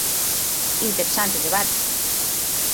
Interesante debate.